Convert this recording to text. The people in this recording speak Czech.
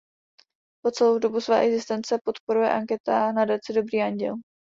Po celou dobu své existence podporuje anketa nadaci Dobrý Anděl.